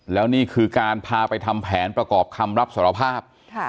แล้วนี่คือการพาไปทำแผนประกอบคำรับสารภาพ